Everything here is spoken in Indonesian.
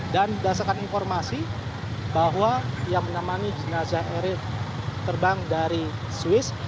dan dasarkan informasi bahwa yang menamani jenazah erit terbang dari swiss